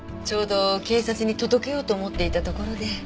ちょうど警察に届けようと思っていたところで。